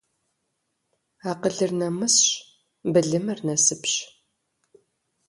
Акъылыр нэмысщ, былымыр насыпщ.